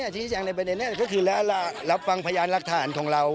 ก็คิดแน็กชิดแจ้งในประเด็นแน็กก็คือแล้วเราฟังพยานรักฐานของเรา